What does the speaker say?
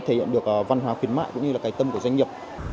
thể hiện được văn hóa khuyến mại cũng như là cái tâm của doanh nghiệp